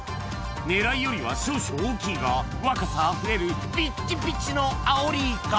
狙いよりは少々大きいが若さあふれるピッチピチのアオリイカ